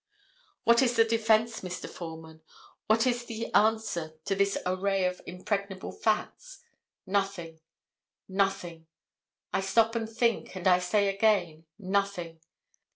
What is the defense, Mr. Foreman? What is the answer to this array of impregnable facts? Nothing, nothing. I stop and think, and I say again, nothing.